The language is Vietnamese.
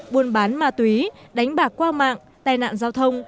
buôn bán ma túy đánh bạc qua mạng tai nạn giao thông